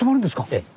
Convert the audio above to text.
ええ。